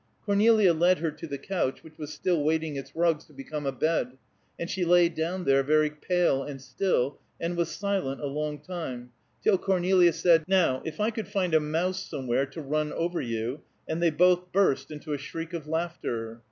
Cornelia led her to the couch, which was still waiting its rugs to become a bed, and she lay down there, very pale and still, and was silent a long time, till Cornelia said, "Now, if I could find a moose somewhere to run over you," and they both burst into a shriek of laughter.